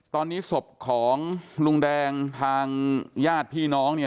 ตอนนี้ศพของลุงแดงทางญาติพี่น้องเนี่ย